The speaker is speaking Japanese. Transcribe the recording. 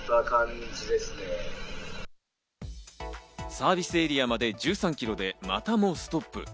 サービスエリアまで１３キロで、またもストップ。